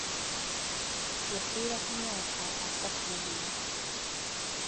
Yafiira ku myaka asatu mu gumu.